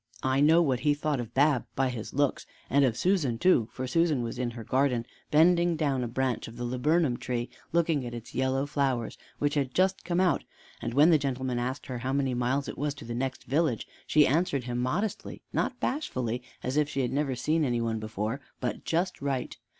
I know what he thought of Bab, by his looks, and of Susan too; for Susan was in her garden, bending down a branch of the laburnum tree, looking at its yellow flowers which had just come out, and when the gentleman asked her how many miles it was to the next village, she answered him modestly, not bashfully as if she had never seen any one before, but just right.